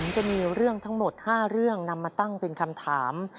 จะมีเรื่องทั้งหมด๕เรื่องนำมาตั้งเป็นคำถาม